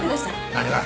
何が？